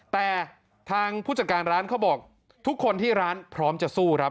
แต่ทางผู้จัดการร้านเขาบอกทุกคนที่ร้านพร้อมจะสู้ครับ